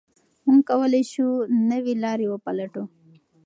موږ کولای شو نوي لارې وپلټو.